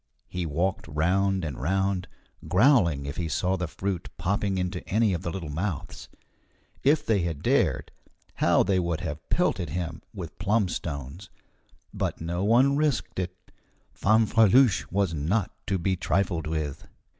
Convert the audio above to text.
He walked round and round, growling if he saw the fruit popping into any of the little mouths. If they had dared, how they would have pelted him with plum stones! But no one risked it. Fanfreluche was not to be trifled with.